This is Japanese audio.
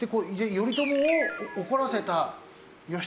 頼朝を怒らせた義経